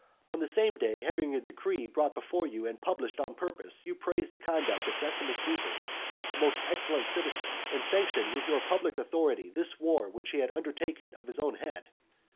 And on the same day, having a decree brought before you and published on purpose, you praised the conduct of Decimus Brutus, a most excellent citizen, and sanctioned with your public authority this war which he had undertaken of his own head.